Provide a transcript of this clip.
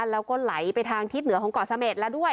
แล้วก็ไหลไปทางทิศเหนือของเกาะเสม็ดแล้วด้วย